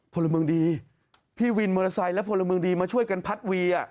พลเมืองดีพี่วินมอเตอร์ไซค์และพลเมืองดีมาช่วยกันพัดวี